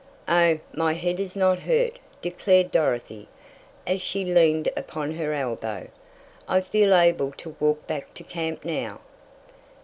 "Oh, my head is not hurt," declared Dorothy, as she leaned upon her elbow. "I feel able to walk back to camp now."